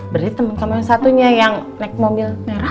beri temen kamu yang satunya yang naik mobil merah